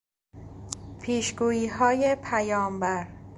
پیشگوییهای پیامبر